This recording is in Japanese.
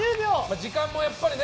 時間もやっぱりね。